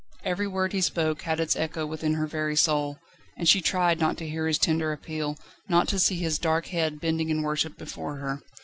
Every word he spoke had its echo within her very soul, and she tried not to hear his tender appeal, not to see his dark head bending in worship before her.